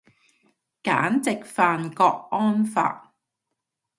簡直犯郭安發